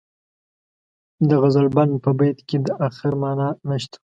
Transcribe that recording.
د غزلبڼ په بیت کې د اخر معنا نشته.